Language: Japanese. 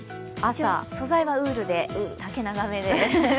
素材はウールで、丈長目で。